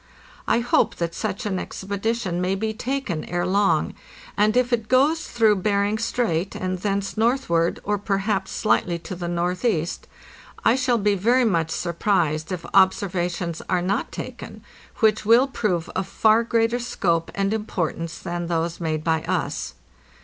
I hope that such an ex pedition may be undertaken ere long, and if it goes through Bering Strait and thence northward, or perhaps slightly to the northeast, J shall be very much surprised if observations are not taken which will prove of far greater scope and importance than those made by us.